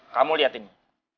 kamu lihat ini